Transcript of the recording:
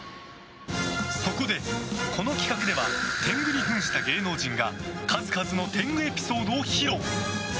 そこで、この企画では天狗に扮した芸能人が数々の天狗エピソードを披露。